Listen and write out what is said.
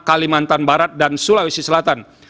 kalimantan barat dan sulawesi selatan